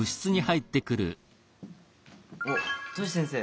あっトシ先生。